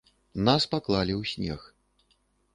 Нас паклалі ў снег.